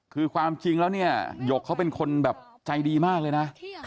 คือความจริงแล้วเนี่ยหยกเขาเป็นคนแบบใจดีมากเลยนะ